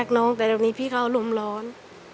รักน้องแต่ตอนนี้พี่เขารมร้อน